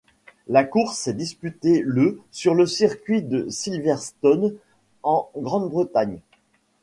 La course s'est disputée le sur le circuit de Silverstone, en Grande-Bretagne.